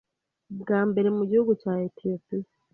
bwa mbere mu gihugu cya ethiopia,